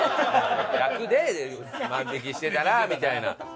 役で万引きしてたなみたいな。